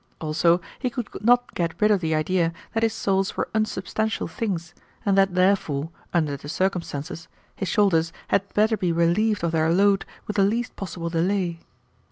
Also, he could not get rid of the idea that his souls were unsubstantial things, and that therefore, under the circumstances, his shoulders had better be relieved of their load with the least possible delay.